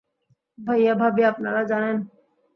ভাইয়া ভাবি আপনারা জানেন?